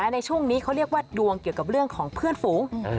ในช่วงนี้เขาเรียกว่าดวงเกี่ยวกับเรื่องของเพื่อนฝูง